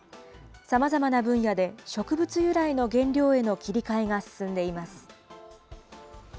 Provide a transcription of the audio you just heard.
さまざまな分野で植物由来の原料への切り替えが進んでいます。